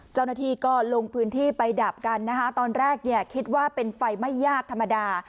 เจ้าหน้าที่ก็ลงพื้นที่ไปดับกันนะคะตอนแรกเนี่ยคิดว่าเป็นไฟไม่ยากธรรมดา